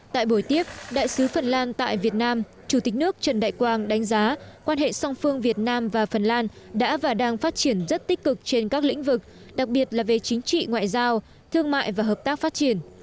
tại buổi tiếp đại sứ phần lan tại việt nam chủ tịch nước trần đại quang đánh giá quan hệ song phương việt nam và phần lan đã và đang phát triển rất tích cực trên các lĩnh vực đặc biệt là về chính trị ngoại giao thương mại và hợp tác phát triển